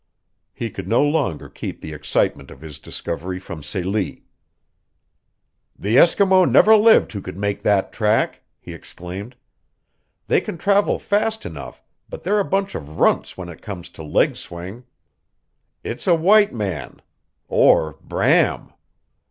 He could no longer keep the excitement of his discovery from Celie. "The Eskimo never lived who could make that track," he exclaimed. "They can travel fast enough but they're a bunch of runts when it comes to leg swing. It's a white man or Bram!"